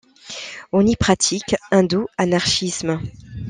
On y pratique un doux anarchisme.